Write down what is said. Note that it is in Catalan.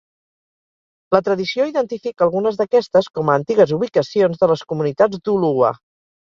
La tradició identifica algunes d'aquestes com a antigues ubicacions de les comunitats d'Ulua.